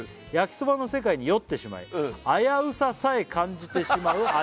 「焼きそばの世界に酔ってしまい危うささえ感じてしまう」